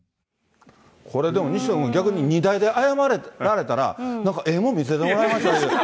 これ、でも西野君、逆に２台で謝られたら、なんかええもん見せてもらえましたって。